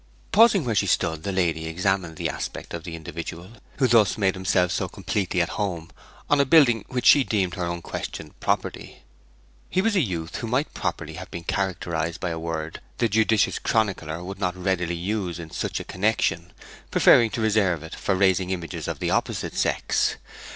Pausing where she stood the lady examined the aspect of the individual who thus made himself so completely at home on a building which she deemed her unquestioned property. He was a youth who might properly have been characterized by a word the judicious chronicler would not readily use in such a connexion, preferring to reserve it for raising images of the opposite sex.